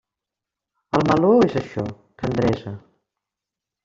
El meló és això: tendresa.